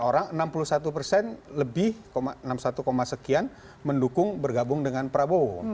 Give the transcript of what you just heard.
dua ribu dua puluh sembilan orang enam puluh satu persen lebih enam puluh satu sekian mendukung bergabung dengan prabowo